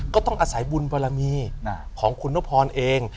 ก็ต้องอาศัยบุญบารมีของคุณนพรเอง